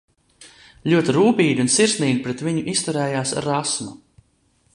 Ļoti rūpīgi un sirsnīgi pret viņu izturējās Rasma.